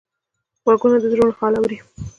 غوږونه د زړونو حال اوري